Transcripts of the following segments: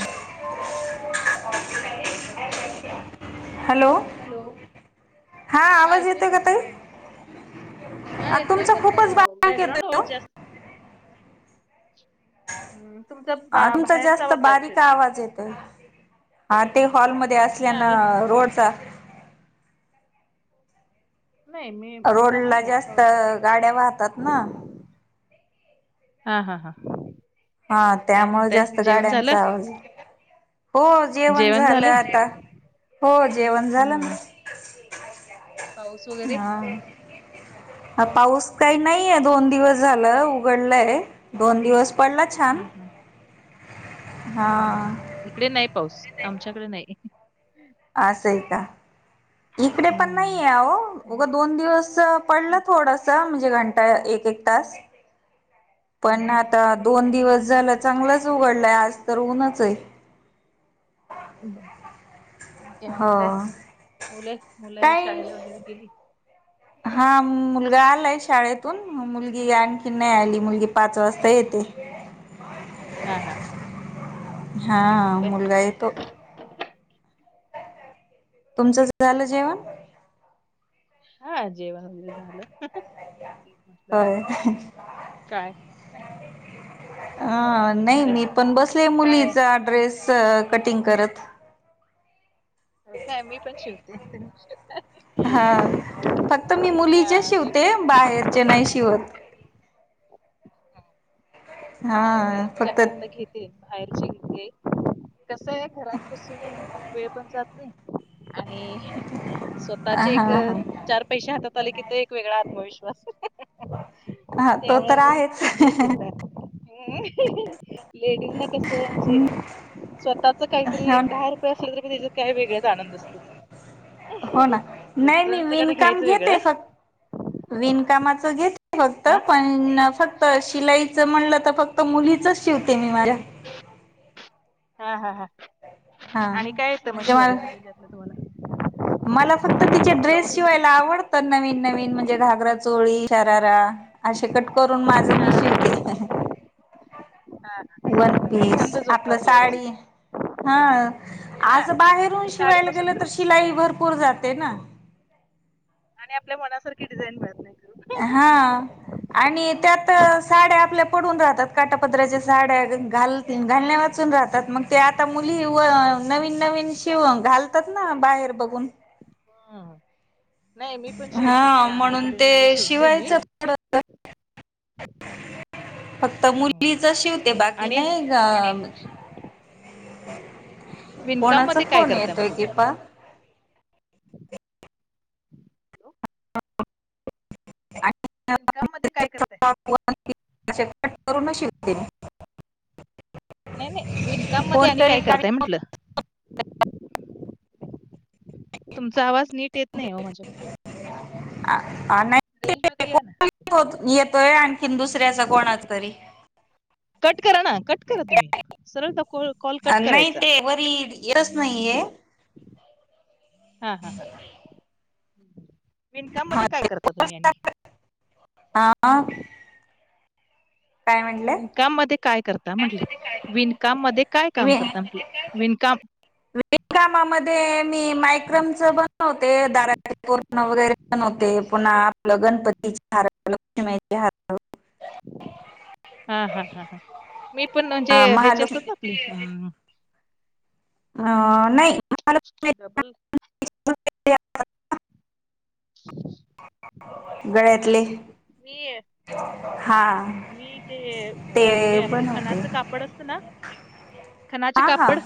Hello हा ऐकू येत काय? हॅलो हॅलो हा आवाज ऐकू येतोय येते ना काताई हा येते पण बॅकग्राऊंड हो जास्त हम् तुमचा? बा- तुमचा बाहेरचा जास्त आवाज बारी का येते आवाज येत हा ते हॉलमध्येध्ये नाही असल्या ना आहे रोडचा नाही मी रोड माझा आहे ला मोठा जास्त आवाज आहे गाड्या वाहतात ना. हा हा हां. हा त्यामुळे जास्त गाड्यांचा आवाज हो जेवण झालं आता हो जेवण झालं म हम्म पाऊस वगैरे हा. ह पाऊस काही नाही आहे दोन दिवस झालं उघडलंय दोन दिवस पडला. छान हम् हम्. हा. इकडे नाही पाऊस आमच्याकडे नाही. अस आहे का इकडे पण नाही हम्म आहे. आणि- उगं दोन दिवस पडलं हम्म, थोडस म्हणजे घंटा एक एक तास पण हम्म, आता दोन दिवस झालं चांगलंच उघडलंय आज तर ऊनच आहे. आणि काय म्हणतय हो मुलं मुलं काय शाळेला वगैरे गेली. ह. हा मुलगा आलाय शाळेतून मुलगी आणखी नाही आली मुलगी पाच वाजता येते. हा हा हा हा आणख म्हणते. काय त तुमचंच झालं जेवण हा जेवण वगैरे झालं एक म्हटलं होय काय आणि अ काय नाही म्हणताय मी पण बसले काय मुलीचा ड्रेस कटिंग करत काय मी पण शिवतेव हा फक्त मी मुलीचे हा मी शिवते पण बाहेरचे नाही शिवत हा फक्त बाहेरचे घ कस आहे घरात कसून वेळ पण जात नाही आणि हा स्वतःचे एक हा चार पैसे हातात आले की ते एक वेगळा आत्मविश्वास हा तो तर आहेच हम् लेडीज ना कस म्हणजे स्वतःच काहीतरी हो एकट हर ्र त्याचा काय वेगळ्याच आनंद असतो हो ना नाही नाही मिस्टरांचं काय विनकाम घ्यायचं वेगळं घेते फक् विणकामाच घेत फक्त हा पण फक्त शिलाईच म्हणलं तर फक्त तर मुलीच शिवते मी मला्या हा हा हा हा आणि काय येत म म्हणजे मला शिवालं वगैरे त्यातलं तुम्हाला मला फक्त तिचे ड्रेस ब्लाऊज वगैरे शिवायला आवडतात नवीन नवीन म्हणजे घागरा चोळी शरारा असे कट करून माझं मी हा शिवते. हा. वन पीस छंद आपलं जोपासलाय म्हणजे साडी हा हा आजं बाहेरून शिवायला साडीपासून गेलं तर ड्रेस शिलाई भरपूर जाते ना आणि आपल्या मनासारखी डिझाईन मिळत नाही खरं. हा आणि त्यात साड्या आपल्या पडून राहतात काटापद्राच्या साड्या घाल घालण्यावर ून राहतात मग ते आता मुली नवीन नवीन शिव घालतात ना बाहेर बघून हम्म नाही मी पण शिवते हा म्हणजे म्हणून अनारकले ते वगैरे शिवते मी शिवायचं ह फक्त मुलीच शिवते बाकी आणि नाही अ विणकाम कोणाचा मध्ये काय फोन करताय मग येतोय तुम्ही? किपा इनकम मध्ये काय करतय ट करून शवते नाही नाही विनकाम मध्ये आणि कोणतरी काय करताय कार्यक्रम म्हटलं तुमचा आवाज नीट येत नाही हो माझ्याकडे आ- आ- नाही रेंज ते मध्ये या ना कोण येतोय आणखीन दुसऱ्याचा कोणाात तरी कट करा ना कट करा तुम्ही सरळता कॉल आ, कट नाही करायचा ते वरी येतच नाहीये हा हा ह विणकाम म हा, काय करता तुम्ही आणि आा काय म्हटलं विकाम मध्ये काय करता म्हंटले विणकाम मध्ये काय काम करता म्हटलं विणकाम वे कामामध्ये मी मायक्रमच बनवते दार पूर्ण वगैरे पण होते पुन्हा आपलं गणपतीची हार लक्ष्मीचे हार हा हा हा हा मी पण म्हणजे अं, ह्याचे महालक्ष्मी असतात ना आपली अम अ नाही महालक्ष्मी डबल ह गेळ्यातली मी हा मी ते ते हे आपले बनवते खणाचं काप पड असत ना खनाचे हा कापड हा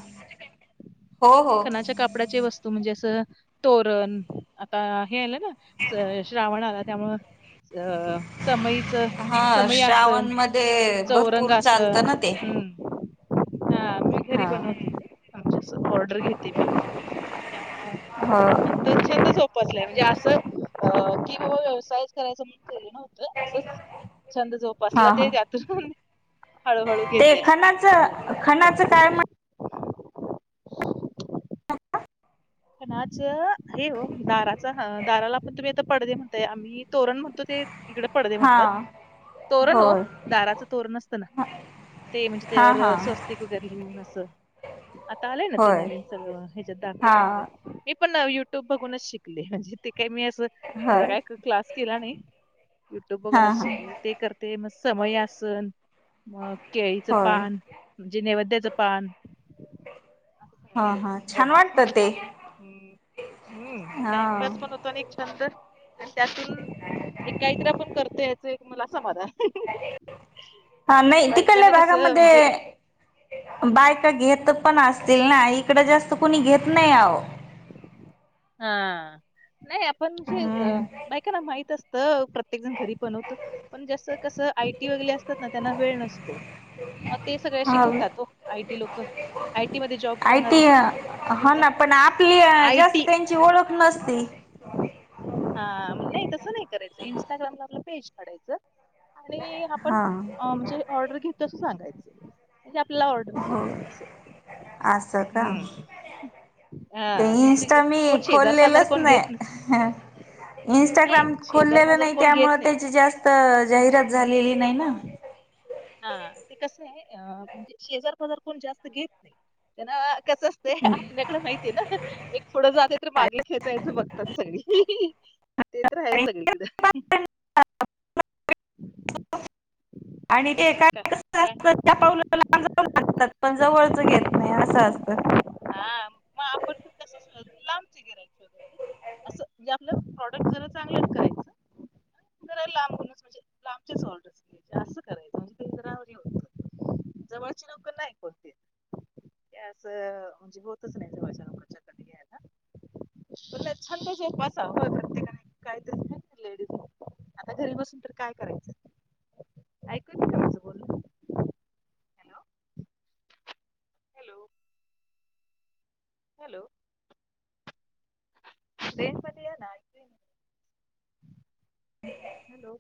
हो हो खनाचे कापड कपडाचे वस्तू म्हणजे असं तोरण आता हे आलं ना श्रावण आला त्यामुळे्हा अ समयीच हा समय आसन श्रावण मध्ये भरपूर चालतं चौरंगसन ते मी घरी हा बनवते ते आमच्या ऑर्डर घेते मी त्यामुळं हा तो छंद म्हणजे अस की व्यवसाय कराय असच छंद हा जोपसला ते हा त्यातर ते खणाचं खणाचं बनवते काय म्हण पण आच हे हो दाराचा दाराला पण तुम्ही आता पडदे म्हणताय आम्ही तोरण म्हणतो ते इकडे पडद हा म्हणतात तोरण हो होय दाराचं तोरण असतं ना ते म्हणजे हा त्यावर हा स्वस्तिक र लिहून असं आता आलंय ना ते होय नवीन सगळं ह्याच्यात दाखव हा मी पण युट्यूब बघूनच शिकले म्हणजे ते काही मी अस त्याचा होय काय क्लास केला नाही युट्यूब हा बघूनच हा शिकले ते करते मग समयसन मग केळीचं होय पान म्हणजे नैवद्याचं पान असं हा सगळं हा छान बनवते वाटत ते हम्म हम्म हा टाइमपास पण होत एक छंद आणि त्यातून एकाहीत्र पण करतो याच एक मला असा मलाा हा नाही तिकडल्या बायकांना कसं भागामध्ये म्हणजे बायका घेत पण असतील ना इकड जास्त कुणी घेत नाही आहो हा नाही आपण जे हम्म बायक ना माहितच तर प्रत्येक जण घरी पण होत पण जसं कसं आयटी वगैरे असतात ना त्यांना वेळ नसतो मग ते सगळ्याशी हा घेतात हो आयटी लोक आयटी मध्ये जॉब आय करणारी टी हा ना पण आपली जास्त आयटी त्यां ची ओळख नसते हा नाही तसं नाही करायचं इं्स्टाग्रामला आपलं पेज काढायचं आणि आपण हा म्हणजे ऑर्डर घेऊ तस सांगायचं म्हणजे आपला ऑर्डरस येत तसं असं का हम् ते इन्स्ट मी पाजार खोललेलंच कोण घेत नस नाही नाही इंस्टाग्राम शेजार खोललेलं पाजार नाही कोण त्यामुळे घेत नाहीत त्या जास्त जाहिरात झालेली नाही ना हा ते कसं आहेज शेजार बाजार कोण जास्त घेत नाही त्यांना कस ते आपल्याकडे माहतीय ना एक पुथडं जाते तर मागे खेचायचं बघतात सगळी ते तर आहे सगळी कड आणि ते एकाय कसं काय असत पातात पण जवळच घेत नाही असं असतं हा मग आपण पण कसं शोधायचं लांबचे गिराईक शोधायचे. असं म्हणजे आपलं प्रॉडक्ट जरा चांगलं कराय वर होत जवळची लोकर नाही कोणती तेसजी बत स्ने खर्चा क घ छंद जोपासा प्रत्येकानं [inaudible] आता घरी बसून तर काय करायचं ऐकू येतं का माझं बोलणं? हॅलो हॅलो हॅलो ट्रेन मध्ये या ना हॅलो